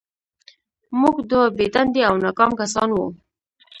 موږ دوه بې دندې او ناکام کسان وو